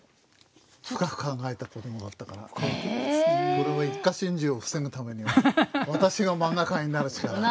これも一家心中を防ぐためには私がマンガ家になるしかない。